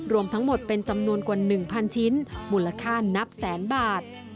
รวมทั้งหมดเป็นจำนวนกว่า๑๐๐ชิ้นมูลค่านับแสนบาท